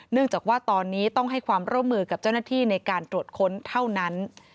จากว่าตอนนี้ต้องให้ความร่วมมือกับเจ้าหน้าที่ในการตรวจค้นเท่านั้น